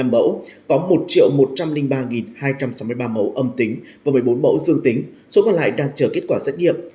một trăm ba mươi một chín trăm sáu mươi năm bẫu có một một trăm linh ba hai trăm sáu mươi ba mẫu âm tính và một mươi bốn mẫu dương tính số còn lại đang chờ kết quả xét nghiệm